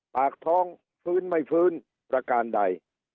ปากท้องฟื้นไม่ฟื้นประการใด